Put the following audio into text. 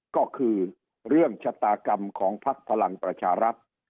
ก็คือเรื่องชะตากรรมของพักพลังประชารัฐ